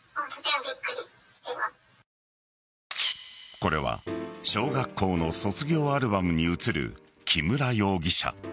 これは小学校の卒業アルバムに写る木村容疑者。